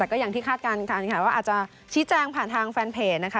แต่ก็อย่างที่คาดการณ์ค่ะอาจจะชี้แจงผ่านทางแฟนเพจ